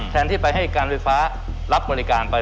แทนที่ไปให้การไฟฟ้ารับบริการไป